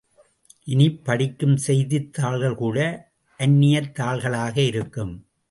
இனி படிக்கும் செய்தித்தாள்கள் கூட அந்நியத் தாள்களாக இருக்கும்!